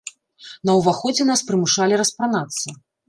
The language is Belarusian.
На ўваходзе нас прымушалі распранацца.